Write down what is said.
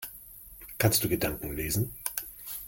Kannst du Gedanken lesen?